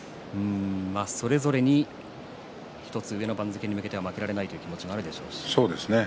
それぞれ１つ上の番付に向けては負けられないという気持ちがあるでしょうね。